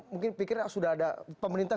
mungkin pikir sudah ada pemerintah